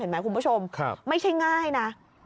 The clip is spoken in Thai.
เห็นไหมคุณผู้ชมไม่ใช่ง่ายนะ